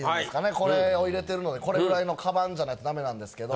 これを入れてるのでこれぐらいの鞄じゃないとダメなんですけど。